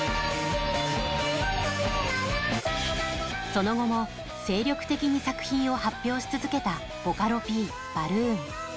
その後も精力的に作品を発表し続けたボカロＰ、バルーン。